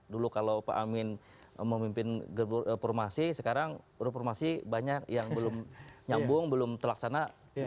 dulu kalau pak amin memimpin reformasi sekarang reformasi banyak yang belum nyambung belum terlaksana